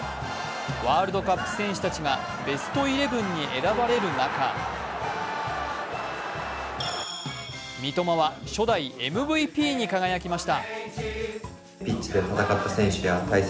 ワールドカップ戦士たちがベストイレブンに選ばれる中、三笘は初代ＭＶＰにに輝きました。